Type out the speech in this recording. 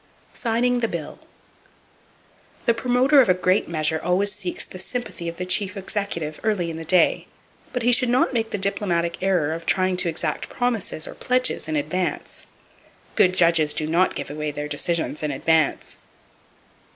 Signing The Bill. —The promoter of a great measure always seeks the sympathy of the Chief Executive early in the day; but he should not make the diplomatic error of trying to exact promises or pledges in advance. Good judges do not give away their decisions in advance.